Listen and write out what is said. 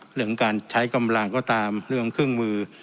เรื่องการใช้กำลังก็ตามเรื่องเครื่องมือ